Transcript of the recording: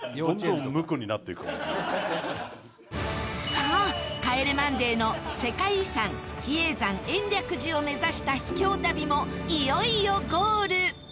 さあ『帰れマンデー』の世界遺産比叡山延暦寺を目指した秘境旅もいよいよゴール